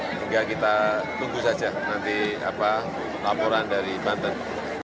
sehingga kita tunggu saja nanti laporan dari banten